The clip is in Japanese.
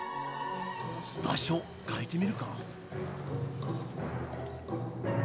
場所変えてみるか。